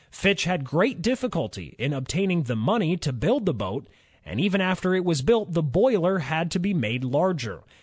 Fitch had great difficulty in obtaining the money to build the boat, and even after it was built the boiler had to be made larger.